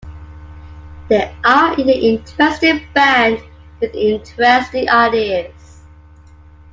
They are an interesting band with interesting ideas.